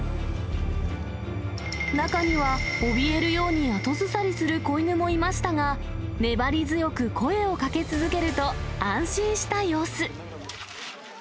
中には、おびえるように後ずさりする子犬もいましたが、粘り強く声をかけ続けると、安心した様子。